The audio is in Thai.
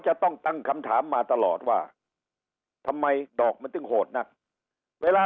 จะต้องตั้งคำถามมาตลอดว่าทำไมดอกมันถึงโหดนักเวลา